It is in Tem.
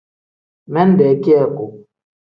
Minde kiyaku.